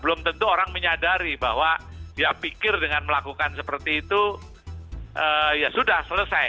belum tentu orang menyadari bahwa dia pikir dengan melakukan seperti itu ya sudah selesai